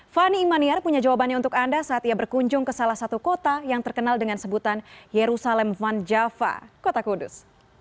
fani imaniar punya jawabannya untuk anda saat ia berkunjung ke salah satu kota yang terkenal dengan sebutan yerusalem van java kota kudus